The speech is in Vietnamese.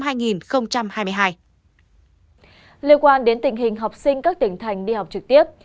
liên quan đến tình hình học sinh các tỉnh thành đi học trực tiếp